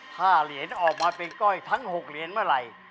ถ้าเหรียญออกมาเป็นก้อยทั้ง๖เหรียญเมื่อไหร่